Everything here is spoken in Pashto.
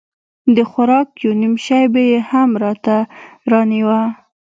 د خوراک يو نيم شى به يې هم راته رانيوه.